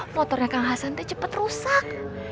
motornya kang hasan teh cepet rusak